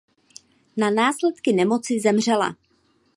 Na následky nemoci zemřela.